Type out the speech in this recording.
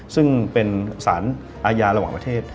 ซึ่งเป็นสารอาญาระหว่างประเทศ